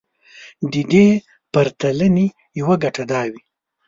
د دې پرتلنې يوه ګټه دا وي.